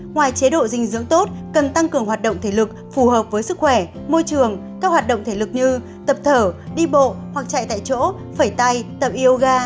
ngoài chế độ dinh dưỡng tốt cần tăng cường hoạt động thể lực phù hợp với sức khỏe môi trường các hoạt động thể lực như tập thở đi bộ hoặc chạy tại chỗ phẩy tay tập yoga